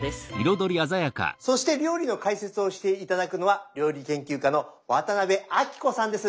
そして料理の解説をして頂くのは料理研究家の渡辺あきこさんです。